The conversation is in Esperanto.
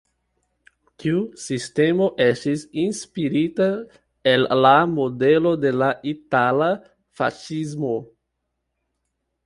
Tiu sistemo estis inspirita el la modelo de la itala faŝismo.